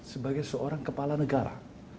sebagai seorang kepala negara